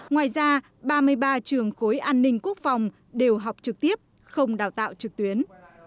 ngoài ra ba mươi ba trường khối an ninh quốc phòng đều học trực tiếp không đào tạo trực tuyến